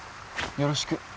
よろしく。